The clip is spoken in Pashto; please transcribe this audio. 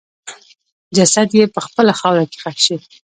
جسد یې په خپله خاوره کې ښخ شي.